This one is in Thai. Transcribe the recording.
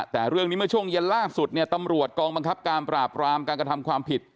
แต่เรื่องนี้เมื่อช่วงเย็นล่าสุดเนี่ยตำรวจกองบังคับการปราบรามการกระทำความผิด